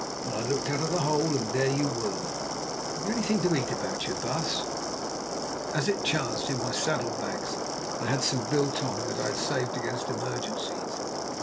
Then I looked out of the hole and there you were. Have you anything to eat about you, baas?" As it chanced, in my saddle bags I had some biltong that I had saved against emergencies.